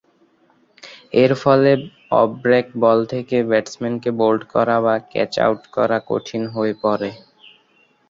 এর ফলে off break ball থেকে ব্যাটসম্যানকে বোল্ড করা বা ক্যাচ আউট করা কঠিন হয়ে পড়ে।